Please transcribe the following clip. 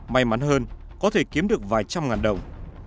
may mắn hơn có thể kiếm được vài trăm ngàn đồng